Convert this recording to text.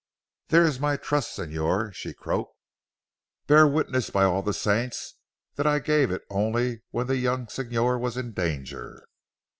"There is my trust Signor," she croaked, "bear witness by all the saints that I gave it only when the young Signor was in danger."